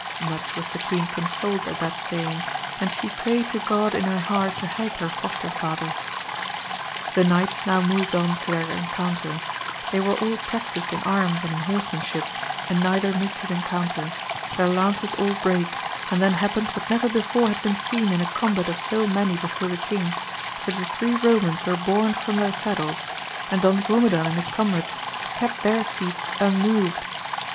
Much was the queen consoled at that saying, and she prayed to God in her heart to help her foster father. The knights now moved on to their encounter ; they were all practised in arms and in horsemanship, and neither missed his encounter : their lances all brake, and then happened what never before had been seen in a combat of so many before the king, that the three Eomans were borne from their saddles, and Don Grumedan and his comrades kept their seats unmoved.